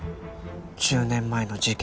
１０年前の事件